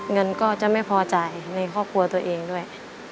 เงินก็จะไม่พอจ่ายในครอบครัวตัวเองด้วย